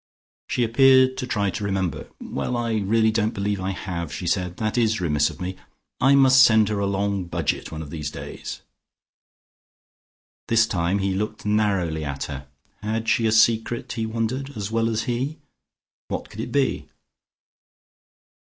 She appeared to try to remember. "Well, I really don't believe I have," she said. "That is remiss of me. I must send her a long budget one of these days." This time he looked narrowly at her. Had she a secret, he wondered, as well as he? What could it be?...